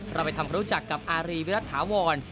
เราไปทำความรู้จักกับอารีวิรัฐาวร